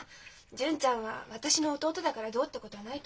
純ちゃんは私の弟だからどうってことはないと思う。